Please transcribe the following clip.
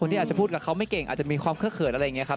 ที่อาจจะพูดกับเขาไม่เก่งอาจจะมีความเคลือเขินอะไรอย่างนี้ครับ